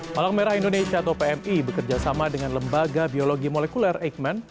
palang merah indonesia atau pmi bekerjasama dengan lembaga biologi molekuler eijkman